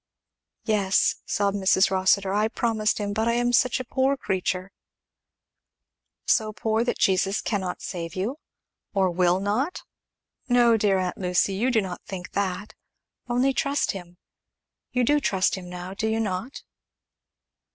"Yes " sobbed Mrs. Rossitur, "I promised him but I am such a poor creature " "So poor that Jesus cannot save you? or will not? No, dear aunt Lucy you do not think that; only trust him you do trust him now, do you not?"